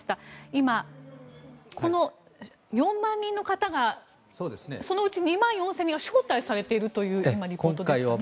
今、この４万人の方がそのうち２万４０００人が招待されているというリポートでしたが。